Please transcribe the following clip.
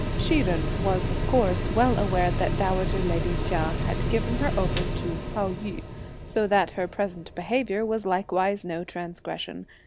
Hsi Jen was, of course, well aware that dowager lady Chia had given her over to Pao yü, so that her present behaviour was likewise no transgression.